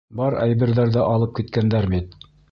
Бар әйберҙәрҙе алып киткәндәр бит!